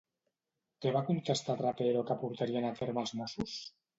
Què va contestar Trapero que portarien a terme els Mossos?